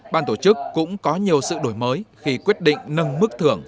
ban tổ chức cũng có nhiều sự đổi mới khi quyết định nâng mức thưởng